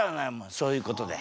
そういうことで。